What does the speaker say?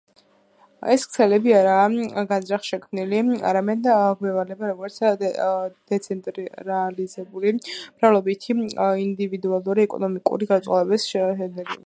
ეს ქსელები არაა განზრახ შექმნილი, არამედ გვევლინება, როგორც დეცენტრალიზებული მრავლობითი ინდივიდუალური ეკონომიკური გადაწყვეტილებების შედეგი.